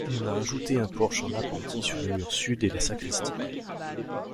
On a ajouté un porche en appentis sur le mur sud et la sacristie.